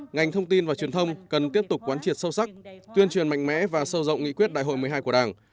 ngành thông tin và truyền thông cần tiếp tục quán triệt sâu sắc tuyên truyền mạnh mẽ và sâu rộng nghị quyết đại hội một mươi hai của đảng